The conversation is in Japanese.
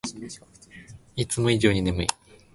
いつも以上に眠い